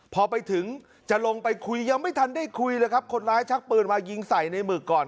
พอไปถึงจะลงไปคุยยังไม่ทันได้คุยเลยครับคนร้ายชักปืนมายิงใส่ในหมึกก่อน